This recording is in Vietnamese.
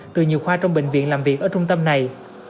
từ nhiều khoa trong bệnh viện làm việc ở trung tâm này